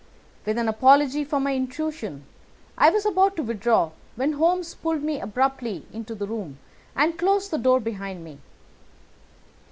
With an apology for my intrusion, I was about to withdraw when Holmes pulled me abruptly into the room and closed the door behind me.